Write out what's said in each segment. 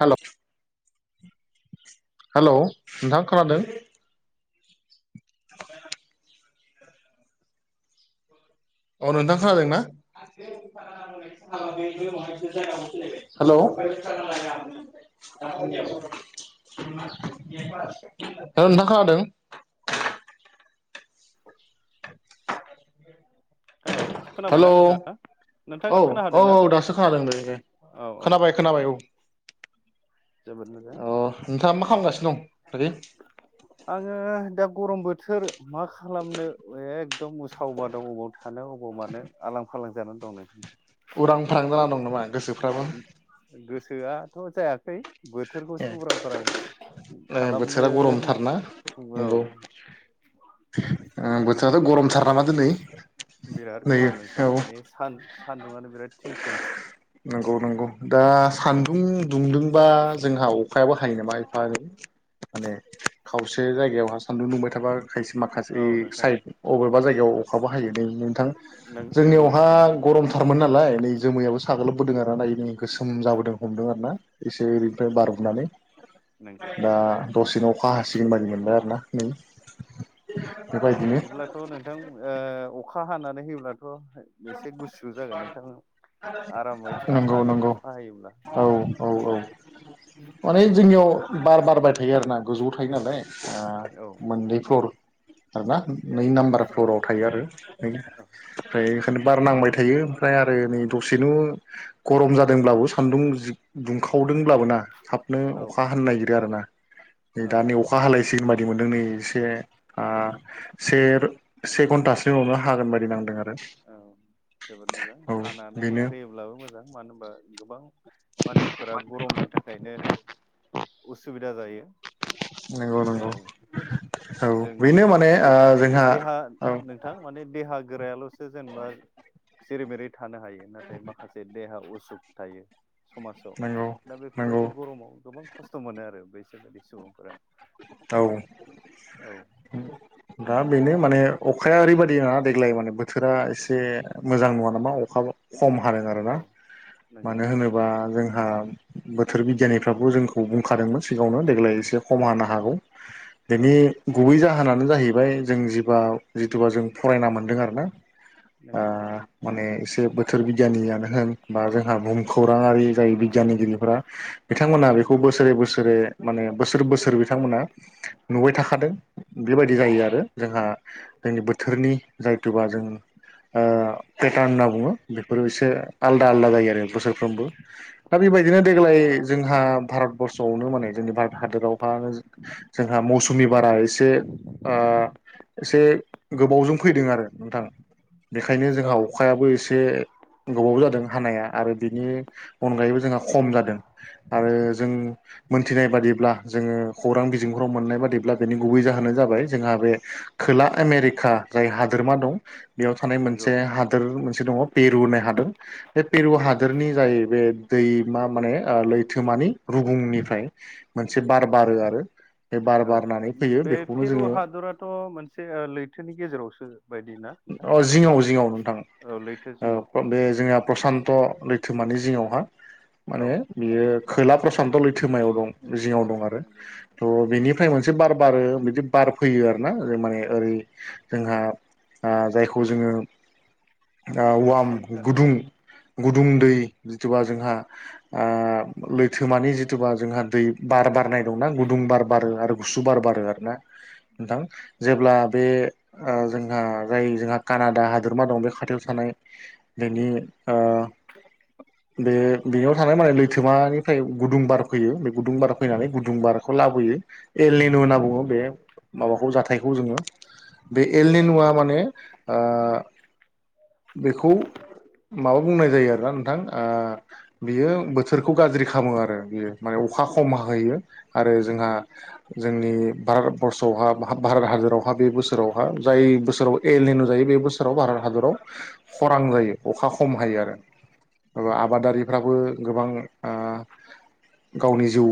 हेल' hello नोंथाङा खोनादों? [inaudible] औ नोंथां खोनादों ना? हेलौ? औ नोंथां खोनादों? [inaudible] हेलौ खोनाबायना हेलौ नोंथाङा? औ नोंथाङा औ खोनाहादोंना औ दासो खोनादों दे दे औ औ खोनाबाय खोनाबाय औ जोबोद मोजां अ नोंथाङा मा खालामगासिनो दं दायो? आङो दा गरम बोथोर मा खालामनो एकदम उसाव बादाव अबाव थानो अबाव मानो आलां फालां जानानै दं नोंथां। उरां फारां जाना दं नामा? गोसोफ्राबो गोसोआथ' जायाखै ए बोथोरखौसो उरां फारां खालामनो बोथोरा गरमथारना औ नंगौ बोथोराथ' गरमथार नामा दिनै बिराद नै गरम नोंथां औ माने सान सान्दुङानो बिराद थिं थिं। नंगौ नंगौ दा औ सान्दुं दुंदोंबा जोंहा अखायाबो हायो नामा एफा एनै माने खावसे जायगायावहा सान्दुं दुंबाय थाबा खायसे माखासे औ नोंथां साइड अबावबा जायगायाव अखाबो हायो नोंथां नंगौ जोंनियावहा नोंथां गरमथारमोन नाल लाय नै जोमैयाबो साग्लोबबोदों आरो ना नै गोसोम जाबोदों हमदों आरो ना। एसे ओरैनिफ्राय बार बुनानै नंगौ दा दसेनो अखा हासिगोन बादि मोनदों आरो ना नै बेबाय बिदिब्लाथ' नोंथां ओ अखा हानानै होयोब्लाथ' एसे गुसुु जागोन नोंथां आरामै थानो नंगौ हागोन नंगौ अखा हायोब्ला। औ औ औ माने जोंनियाव बार बारबाय थायो आरोना गोजौआव थायो नालाय। ओ औ मोननै फ्लर आरोना नै नाम्बार औ फ्लराव थायो आरो नै औ ओमफ्राय बेखायनो बार नांबाय थायो ओमफ्राय आरो नै दसेनो गरम जादोंब्लाबो सान्दुं दुंखावदोंब्लाबो ना थाबनो औ अखा हानो नागिरो आरोना नै औ दा नै औ अखा हालायसिगोन बाय दि मोनदों नै एसे आ से से घन्टासो अब्ला हागोन बादि नांदों आरो। औ जोबोद मोजां औ हानानै बेनो होयोब्लाबो मोजां मानो होनबा गोबां मानसिफोरा गरमनि थाखायनो उसुबिदा जायो। नंगौ नंगौ जेराव औ जों बेनो माने देहा ओ जोंहा देहा औ नों थां माने देहा गोरायाल'सो जेनेबा जेरै मेरै थानो हायो नाथाय माखासे देहा उसुख थायो समाजाव नंगौ दा नंगौ बेफोरबायदि गरमाव गोबां खस्थ' मोनो आरो बैसोर बादि सुबुंफोरा औ औ दा बेनो माने अखाया ओरैबायदि ना देग्लाय माने बोथोरा एसे मोजां नङा नामा अखाब खम हादों आरोना औ नंगौ मानो होनोबा जोंहा बोथोर बिगियाननिफ्राबो जोंखौ बुंखादोंमोन सिगाङनो देग्लाय एसे खम हानो हागौ औ बेनि गुबै जाहोनानो जाहैबाय जों जिबा जिथुुबा जों फरायना मोनदों आरोना आ नंगौ माने एसे बोथोर बिगियानियानो होन बा जोंहा बुहुम खौरांआरि जाय बिगियानगिरिफोरा बिथांमोनहा बेखौ नंगौ बोसोरे बोसोरे माने बोसोर बिथांमोना नुबाय थाखादों बेबायदि जायो आरो जोंहा बेनि बोथोरनि जायथुबा जों ओ पेटार्न होनना बुङो बेफोरो एसे आलदा आलदा जायो आरो बोसोरफ्रोमबो दा बेबायदिनो देग्लाय जोंहा भारतबर्सआवनो माने जोंनि भारत हादरावहा जोंहा मौसुमि बारा एसे ओ एसे गोबावजों फैदों आरो नोंथां बेखायनो औ जोंहा अखायाबो एसे गोबावबो जादों हानाया आरो बेनि अनगायैबो जोंहा खम जादों आरो जों मोनथिनाय बादिब्ला जोङो खौरां बि जिंहराव मोननाय बादिब्ला बेनि गुबै जाहोनानो जाबाय जोंहा बे खोला आमेरिका जाय हादोरमा दं बेयाव थानाय मोनसे नंगौ हादोर मोनसे दङ पेरु होननाय हादोर बे पेरु नंगौ हादोरनि जाय बे दैमा ओ माने लैथोमानि रुुबुंनिफ्राय मोनसे बार बारो आरो बे बार औ बारनानै फैयो बे बेखौनो फेरु जोङो हादराथ' मोनसे लैथोनि गेजेरावसो बायदि आरो ना नोंथां अ जिङआव जिङआव नोंथां औ लैथो जिङाव ओ बे जोंना प्रसान्त त' लैथोमानि जिङावहा औ माने बियो खोला प्रसान्त लैथोमायाव दं जिङाव दं आरो थ' बेनि फ्राय मोनसे बार बारो बिदि बार फैयो आरो ना जों माने ओरै जोंहा आ जायखौ जोङो आ वाम गुदुं गुदुं दै जिथबा जोंहा आ लैथोमानि जिथुबा जोंहा दै बार बारनाय दंना गुदुं बार बारो औ आरो गुसु बार बारो आरोना नोंथां जेब्ला बे ओ जों आ जाय जोंहा कानाडा हादोरमा दं बे खाथियाव थानाय बेनि ओ [unintelligible] बे बेयाव थानाय माने लैथोमानिफ्राय गुदुं बार फैयो बे गुदुं बार फैनानै गुदुंबारखौ लाबोयो एलेनु होनना बुङो बे माबाखौ जाथायखौ जोङो बे एलेनुआ माने आ बेखौ माबा बुंनाय जायो आरोना नोंथां आ बियो बोथोरखौ गाज्रि खालामो आरो बियो माने अखा खम हाहोयो आरो जोंहा जोंनि भारतबर्सआवहा भारत हादरावहा बे बोसोरावहा जाय बोसोराव एलेनु जायो बे बोसोराव भारत हादराव खरां जायो अखा खम हायो आरो माबा आबादारिफ्राबो गोबां आ गावनि जिउ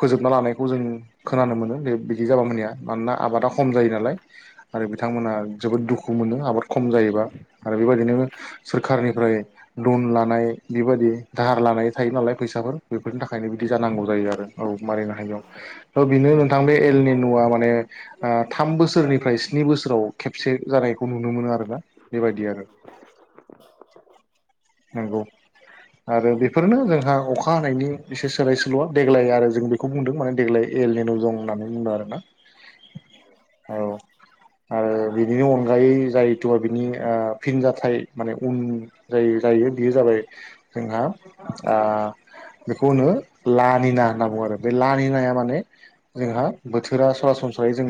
फोजोबना लानाय खौ जों खोनानो मोनो बे बिदि जाबा मानिया मानोना आबादा खम जायोना नालाय आरो बिथांमोना जोबोद दुखु मोनो आबाद खम जायोबा आरो बेबादिनो सोरखारनिफ्राय लन लानाय बेबादि दाहार थायोनालाय फैसाफोर बेफोरनि थाखायनो बिदि नंगौ जानांगौ जायो आरो औ मारिनो नंगौ थारैनो हायियाव बेनो नोंथां बे एलनि न'आ माने आ थाम बोसोरनिफ्राय स्नि बोसोराव खेबसे जानायखौ नुनो मोनो आरो ना बेबायदि आरो [unintelligible] नंगौ आरो बेफोरनो जोंहा अखा हानायनि एसे सोलाय सोल'आ देग्लाय आरो जों बे खौ बुंदों माने देग्लाय एल एन अ दं होननानै बुंदों आरोना औ आरो बिनिनि अनगायै जायथु बिनि ओ फिनजाथाइ माने उन जा जायो बेयो जाबाय जोंहा आ बेखौनो लानिना होनना बुङो आरो बे लानि माने जोंहा बोथोरा सरासनस्रायै जों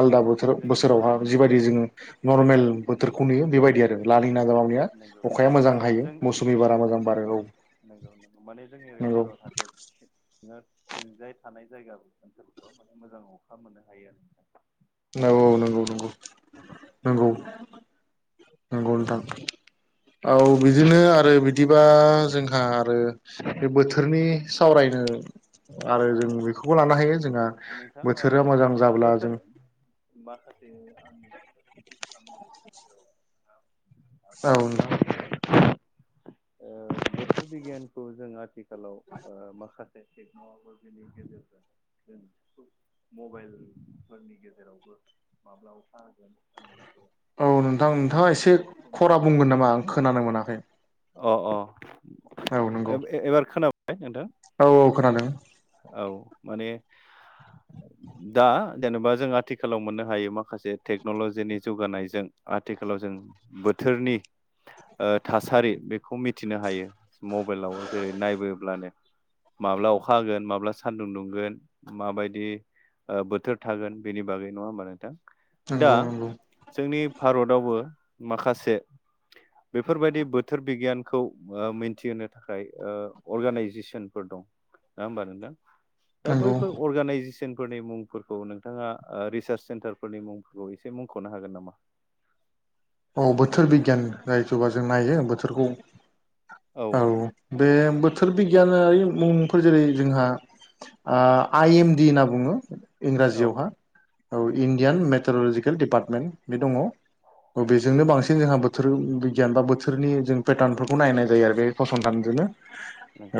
आलादा बोथोर जोंनि बोसोरावहा जिबायदि जोङो नरमेल बोथोरखौ नुयो बेबायदि आरो लालिना लाव आ नंगौ मोजां माने खा जों मौसुमि बारा मोजां बारो औ नंगौ नंगौ माने जोंनि ओरै नंगौ भारत हादर थिंजाय थानाय जायगाबो ओनसोलफोराव माने मोजां अखा मोननो हायो आरो ना। औ औ नंगौ नंगौ नंगौ। नंगौ नोंथां औ बिदिनो आरो बिदिबा जोंहा आरो बे बोथोरनि सावरायनो आरो जों बेबो लानो औ हायो जोंहा नोंथां ओ बोथोरा मोजां जेनेबा जाब्ला बोथोर जों माखासे आं नोंखौनो [unintelligible] औ नोंथां ओ बोथोर बिगियानखौ जों आथिखालाव ओ माखासे जायखि बेनि गेजेर जों मबाइलफोरनि गेजेरावबो माब्ला अखा होगोन लोगोसे औ नोंथां नोंथाङा एसे खरा बुंगोन नामा आं खोनानो मोनाखै। अ औ नंगौ अ एबार खोनाबायाय नोंथां? औ औ खोनादों औ माने दा जेनेबा जों आथिखालाव मोननो हायो माखासे टेक्न'लजिनि जौगानायजों आथिखालाव जों बोथोरनि ओ थासारि बेखौ मिथिनो हायो मबाइलाव जेरै नायबोब्लानो माब्ला अखा होगोन माब्ला सानदुं दुं गोन माबायदि ओ बोथोर थागोन बेनि बागै नङा होमबा नोंथां दा नंगौ नंगौ जोंनि भारतावबो माखासे बेफोरबायदि बोथोर बिगियानखौ ओ मिथिहोनो थाखाय ओ अर्गानइजेसनफोर दं नङा होमबा नोंथां दा नंगौ बैफोर अर्गानइजेसन फोरनि मुंफोरखौ नोंथाङा रिसार्च सेन्टारफोरनि मुंफोरखौ एसे मुंख'नो हागोन नामा? औ बोथोर बिगियान जायथबा जों नायो बोथोरखौ औ बे बोथोर बिगियानारि मुंफोर जेरै जोंहा आ आइ एमडि होनना बुङो औ इंराजियावहा औ इण्डियान मेटारलजिकेल दिडिपार्टमेन्ट बे दङ अ बेजोंनो बांसिन जोंहा बोथोर बिगियान बा बोथोरनि जों पेटार्नफोरखौ नायनाय जायो आरो बे फसंथानजोंनो।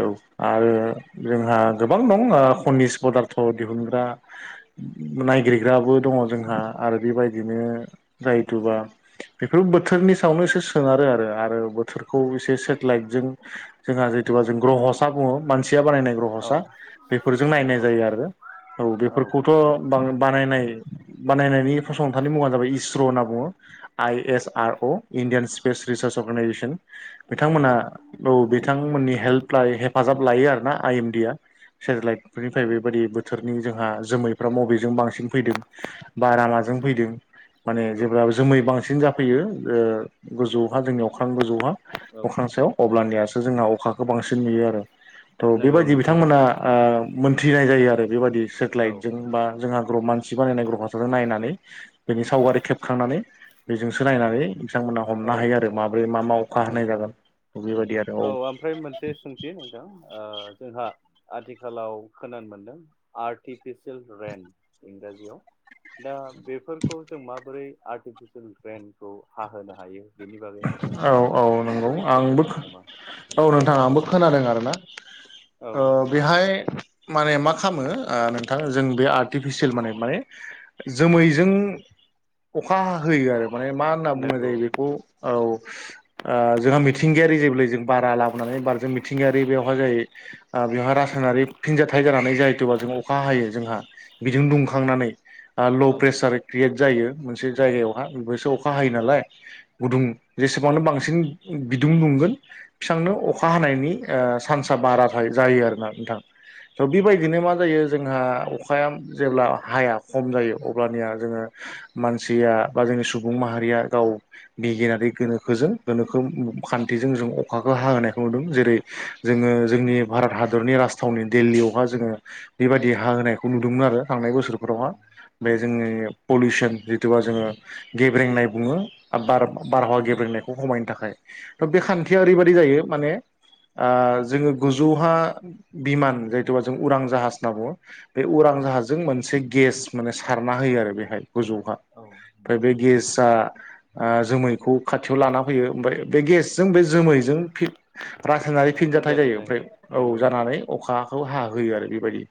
औ आरो जोंहा गोबां दं ओ खनिस पदार्थ' दिहुनग्रा नायगिरग्राबो दङ जोंहा आरो बेबायदिनो जाहथुबा बेफोरो बोथोरनि सायावनो एसे सोनारो आरो आरो बोथोरखौ एसे सेटेलाइटजों जोंहा जिथुुबा जों ग्रहसा बुङो मानसिया बानायनाय औ ग्रहसा बेफोरजों नायनाय नंगौ जायो आरो। औ बेफोरखौथ' बा- बानायनाय बानायनायनि फसंथाननि मुङानो जाबाय इस्र' होनना बुङो। I S R O Indian space research organisation बिथांमोना नंगौ औ बिथांमोननि हेल्प हेफाजाब लायो आरो ना आइ एमडि आ सेटेलाइट फोरनिफ्राय बेबायदि बोथोरनि जोंहा जोमैफ्रा बबेजों बांसिन फैदों बार माजों फैदों माने नंगौ जेब्ला जोमै बांसिन जाफैयो ओ गोजौहा अख्रां गोजौहा औ अख्रां सायाव अब्लानियासो जोंना अखाखौ बांसिन नुयो आरो थ' नंगौ बेबायदि नोंथां बिथांमोना आ मोनथिनाय जायो आरो बेबायाददि औ सेटेलाइटजों बा जों ग्रह' मानसि सि बानायनाय ग्रह फासारजों नायनानै बेनि सावगारि खेबखांनानै बेजोंसो नायनानै बिथांमोना औ हमनो हायो आरो माब्रै मा मा अखा हाय नोंथां जागोन बेबायदि आरो। औ ओमफ्राय मोनसे सोंथि नथां जोंहा आथिखालाव खोनानो मोनदों आर्टिफिसियेल रेन इंराजियाव दा बेफोरखौ जों आर्टिफिसियेल रेनखौ हाहोनो हायो बेनि बागै नोंथाङा औ औ नंगौ सुंद'यै आंबो फोरमायनो हागोन नामा? औ नोंथां‌ आंबो खोनादों आरो ना औ ओ बेहाय माने मा खालामो आ नोंथां जों बे आर्टिफिसियेल माने माने जोमैजों अखा हाहोयो आरो। माने मा होनना बुंनाय नंगौ जायो बेखौ औ ओ जोंहा मिथिंगायारि जेब्लाय जों बारा लाबोनानै बार जों मिथिंगायारि बेयावहाय जायो आ बेवहाय रासायनारि फिनजथायाइ जानानै जाहथ'बा जों अखा हायो जोंहा बिदुं दुंखांनानै आं ल' औ प्रेसार क्रियेट जायो मोनसे जायगायावहाय बेसो अखा हायो नालाय। गुदुं जेसेबांनो बांसिन बिदुं दुंगोन एसेबांनो औ अखा हानायनि ओ सान्सा बारा जायो जायो आरोना नोंथां स' नंगौ बेबायदिनो मा जायो जेब्ला अखाया हाया खम जायो अब्लानिया जोङो मानसिया बा सुबुं माहारिया गाव बिगियारि गोनोखोजों गोनोखो खान्थिजों जों अखाखौ होनोनायखौ नुदों। जेरै, जोङो जोंनि भारत हादरनि राजथावनि दिल्लीयावहााय जोङो बेबायदि हा होनायखौ नुदोंमोन आरो थांनाय बोस औ फोरावहा बे जोंनि नंगौ पलिउसन जिथुुबा जोङो गेब्रेंनाय बुङो। बार बारहावा गेब्रेंनायखौ खमायनो थाखाय थ' बे खान्थिया ओरैबायदि जायो माने आ जोङो गोजौहा बिमान जायथ'बा जों उरां जाहाज होनना बुङो। बे उरां औ जाहाजों मोनसे गेस माने सारना होयो आरो बेहाय गोजौहा। औ ओमफ्राय नंगौ बे गेसआ आ जोमैखौ खाथियाव लाना फैयो ओमफ्राय बे गेसजों बे जोमैजों फि रासायनारि फिनजाथाइ फिनजाथों जायो ओमफ्राय औ नंगौ जानानै अखाखौ हाहोयो आरो बेबायदि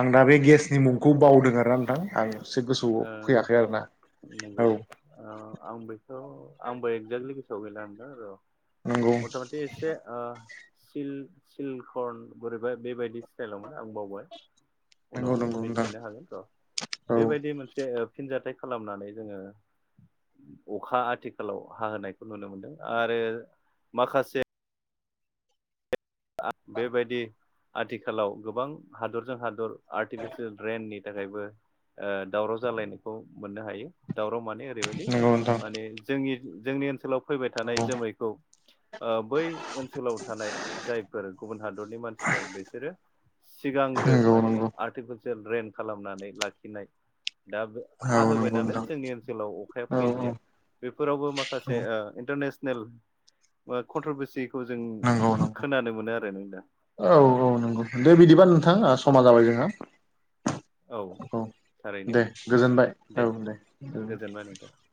आं दा बे गेस नि मुंखौ बावदों आरो ना नोंथां आं एसे गोसोआव फैयाखै आरोना औ अ आं बेखौ आंबो एक्जेक्लि गोसोआव गैला नोंथां र' नंगौ मथा मथि एसे ओ सिल सिलकर्न बोरैबा बेबायदि स्टाइलावमोन आं बावबाय उनाव नंगौ नंगौ नोंथां मिथिनो हागोन र' औ बेबायदि मोनसे ओ फिनजाथाय खालामनानै जोङो अखा आथिखालाव हाहोनायखौ नुनो मोनदों आरो माखासे आ बेबायदि आथिखालाव गोबां हादरजों हादर आर्टिफिसियेल रेननि थाखायबो ओ दावराव जालायनायखौ मोननो हायो दावराव माने ओरैबायदि नंगौ नोंथां माने जोंनि जोंनि ओनसोलाव फैबाय औ थानाय जोमैखौ ओ बै ओनसोलाव थानाय जायफोर गुबुन हादरनि मानसिफोर बिसोरो सिगांग्रो नंगौ माने नंगौ आर्टिफिसियेल रेन खालामनानै लाखिनाय दा बे औ हाहोबाय नंगौ नालाय नोंथां जोंनि ओनसोलाव अखाया औ औ फैलिया बेफोरावबो औ माखासे ओ इन्टारनेसनेल बा कन्ट्रोवर्सीखौ जों नंगौ नंगौ खोनानो मोनो आरो नों [unintelligible] औ औ नंगौ दे बिदिबा नोंथां ओ समा जाबाय जोंहा औ थारैनो दे गोजोनबाय औ दे गोजोनबाय नोंथां [unintelligible]